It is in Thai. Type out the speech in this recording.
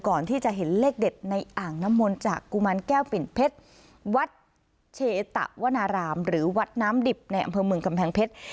ก่อนที่จะเห็นเลขเด็ดในอ่างน้ำมนต์จากกุมารแก้วปิ่นเพชรวัดเชตะวนารามหรือวัดน้ำดิบในอำเภอเมืองกำแพงเพชร